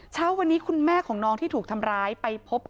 เช้าวันนี้คุณแม่ของน้องที่ถูกทำร้ายไปพบ